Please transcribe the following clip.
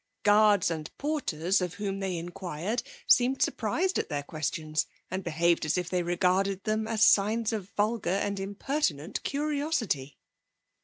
Guards and porters, of whom they inquired, seemed surprised at their questions and behaved as if they regarded them as signs of vulgar and impertinent curiosity.